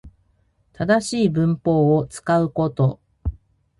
正しい文法を使うこと